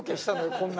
こんな。